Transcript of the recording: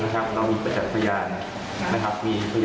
ทางโดยการนำเสียชีวิต